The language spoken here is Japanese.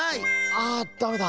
ああダメだ。